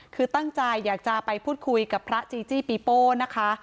คือตั้งใจอยากจะไปพูดคุยกับพระจีจี้ปีโป้นะคะ